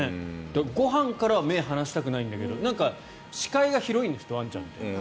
ご飯からは目を離したくないんだけどなんか、視界が広いんですってワンちゃんって。